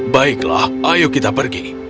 baiklah ayo kita pergi